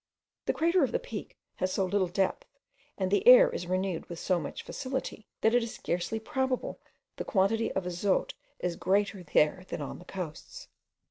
The crater of the Peak has so little depth, and the air is renewed with so much facility, that it is scarcely probable the quantity of azote is greater there than on the coasts.